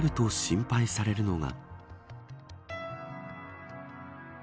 そうなると心配されるのが。